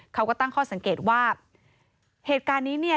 เขาก็ตั้งข้อสังเกตว่าเหตุการณ์นี้เนี่ย